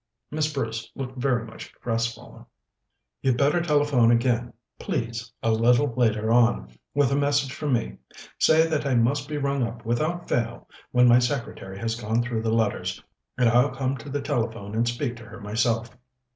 Miss Bruce looked very much crestfallen. "You'd better telephone again, please, a little later on, with a message from me. Say that I must be rung up without fail when my secretary has gone through the letters, and I'll come to the telephone and speak to her myself."